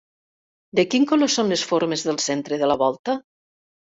De quin color són les formes del centre de la volta?